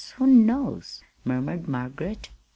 who knows?" murmured Margaret.